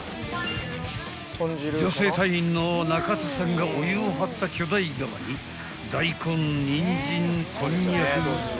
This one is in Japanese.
［女性隊員の中津さんがお湯を張った巨大釜にダイコンニンジンこんにゃく